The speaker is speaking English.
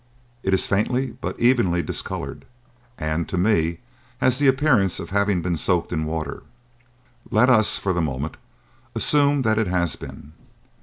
"It is faintly but evenly discoloured and, to me, has the appearance of having been soaked in water. Let us, for the moment, assume that it has been.